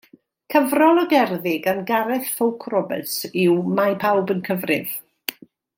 Cyfrol o gerddi gan Gareth Ffowc Roberts yw Mae Pawb yn Cyfrif.